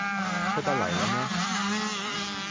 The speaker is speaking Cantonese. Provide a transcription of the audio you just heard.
出得嚟喇咩？